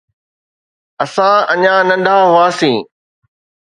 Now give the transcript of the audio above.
اسان اڃا ننڍا هئاسين.